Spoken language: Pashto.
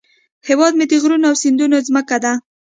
هیواد مې د غرونو او سیندونو زمکه ده